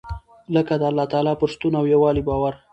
لکه د الله تعالٰی پر شتون او يووالي باور .